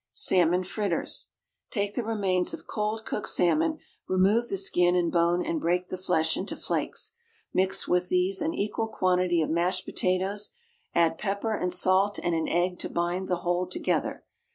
=Salmon Fritters.= Take the remains of cold cooked salmon, remove the skin and bone and break the flesh into flakes. Mix with these an equal quantity of mashed potatoes, add pepper and salt and an egg to bind the whole together.